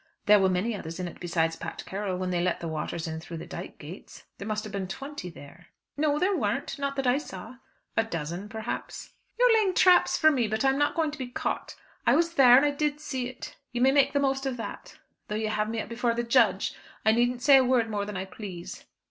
There were many others in it besides Pat Carroll, when they let the waters in through the dyke gates. There must have been twenty there." "No, there weren't not that I saw." "A dozen, perhaps?" "You are laying traps for me, but I am not going to be caught. I was there, and I did see it. You may make the most of that. Though you have me up before the judge, I needn't say a word more than I please."